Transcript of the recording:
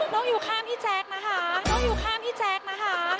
นกอยู่ข้างพี่แจ๊กนะคะ